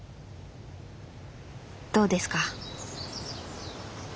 どうですか？